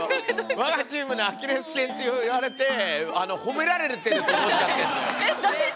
我がチームのアキレス腱って言われて褒められてると思っちゃってんだよ。